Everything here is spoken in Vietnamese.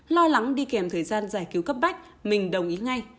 lo lắng đi kèm thời gian giải cứu cấp bách mình đồng ý ngay